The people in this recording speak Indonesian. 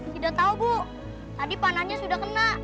tidak tahu bu tadi panahnya sudah kena